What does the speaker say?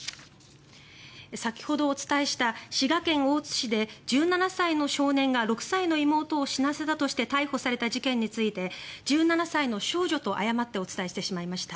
先ほどお伝えした滋賀県大津市で１７歳の少年が６歳の妹を死なせたとして逮捕された事件について１７歳の少女と誤ってお伝えしてしまいました。